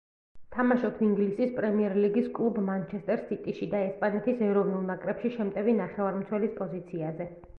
თამაშობს ინგლისის პრემიერ ლიგის კლუბ „მანჩესტერ სიტიში“ და ესპანეთის ეროვნულ ნაკრებში შემტევი ნახევარმცველის პოზიციაზე.